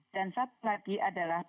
dan satu lagi adalah